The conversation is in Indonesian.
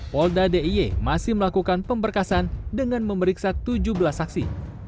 polda d i e masih melakukan pemberkasan dengan memeriksa tujuh belas saksi